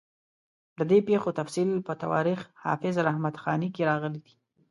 د دې پېښو تفصیل په تواریخ حافظ رحمت خاني کې راغلی.